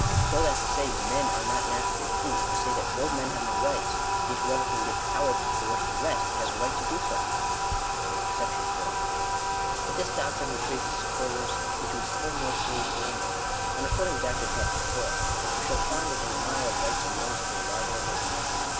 So that to say " men are not naturally free," is to say that though men have no rights, yet whoever can get power to coerce the rest has a right to do so ! Digitized by VjOOQIC 106 FIRST PRINCIPLE. §4. But this doctrine betrays its supporters into a still more serious dilemma. On referring back to Chapter IV., we shall find that the denial of rights amounts to a libel on the Deity.